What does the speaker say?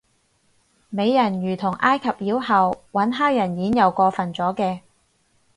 美人魚同埃及妖后搵黑人演又過份咗嘅